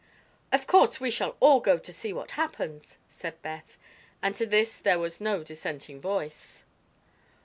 "Of course we shall all go to see what happens," said Beth, and to this there was no dissenting voice.